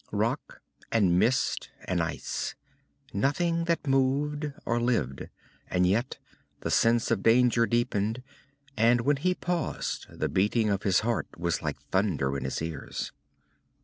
Rock and mist and ice. Nothing that moved or lived. And yet the sense of danger deepened, and when he paused the beating of his heart was like thunder in his ears.